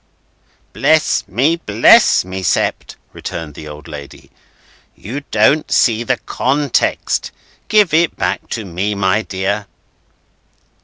"Bless me, bless me, Sept," returned the old lady, "you don't see the context! Give it back to me, my dear."